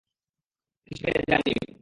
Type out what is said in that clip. কিছু পেলে জানিও।